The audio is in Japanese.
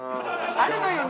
あるのよね